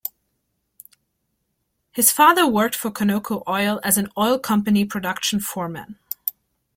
His father worked for Conoco Oil as an oil company production foreman.